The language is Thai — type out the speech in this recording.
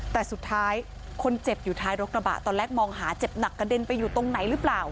แต่สุดท้ายคนเจ็บอยู่ท้ายรถกระบะตอนแรกมองหาเจ็บหนักกระเด็นไปอยู่ตรงไหนหรือเปล่า